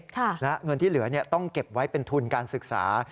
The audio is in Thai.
เงินที่เหลือต้องเก็บไว้เป็นทุนการศึกษา